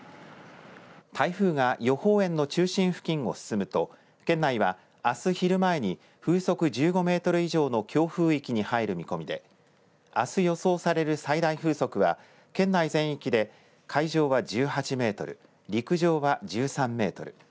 台風が予報円の中心付近を進むと県内は、あす昼前に風速１５メートル以上の強風域に入る見込みであす予想される最大風速は県内全域で海上は１８メートル、陸上は１３メートル。